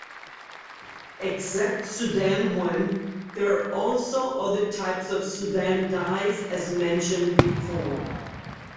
Except Sudan I, there are also other types of Sudan dyes as mentioned before.